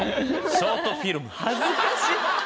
ショートフィルム。